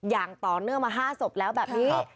อย่างต่อเนื่องมา๕ศพแล้วแบบนี้